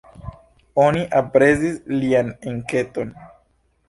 Oni aprezis lian enketon.